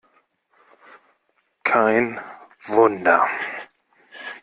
Kein Wunder!